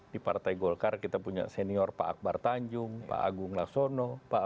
di partai golkar kita punya senior pak akbar tanjung pak agung laksono